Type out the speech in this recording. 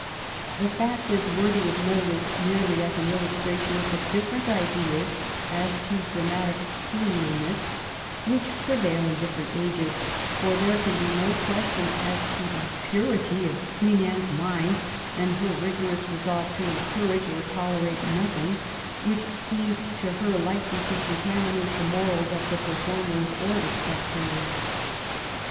The fact is worthy of notice merely as an illustration of the different ideas as to dramatic seemliness which prevail in different ages, for there can be no question as to the purity of Queen Anne's mind, and her rigorous resolve to encourage or tolerate nothihg which seemed to her likely to contaminate the morals of the performers or the spectators.